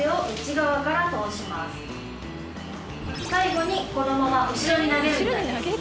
最後にこのまま後ろに投げるみたいです。